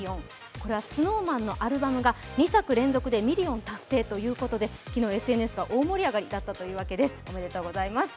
これはＳｎｏｗＭａｎのアルバムが２作連続でミリオン達成ということで昨日、ＳＮＳが大盛り上がりだったというわけです、おめでとうございます。